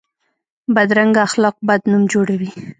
بدرنګه اخلاق بد نوم جوړوي